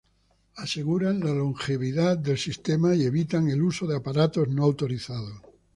Aseguran la longevidad del sistema y evitan el uso de aparatos no autorizados.